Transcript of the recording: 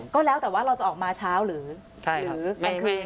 ก็แล้วแต่ว่าเราจะออกมาเช้าหรือกลางคืน